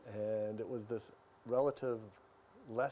dan itu adalah